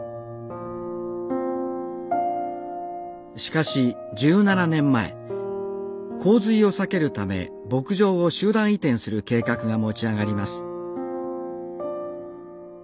しかし１７年前洪水を避けるため牧場を集団移転する計画が持ち上がります。